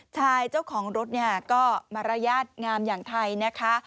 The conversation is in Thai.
เจ้าของรถเนี่ยก็มารยาทงามอย่างไทยนะคะ